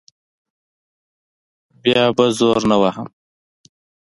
بیا به زور نه وهم.